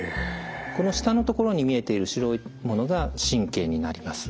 この下のところに見えている白いものが神経になります。